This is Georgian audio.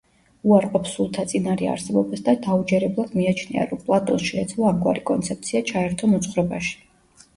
უარყოფს სულთა წინარე არსებობას და დაუჯერებლად მიაჩნია, რომ პლატონს შეეძლო ამგვარი კონცეფცია ჩაერთო მოძღვრებაში.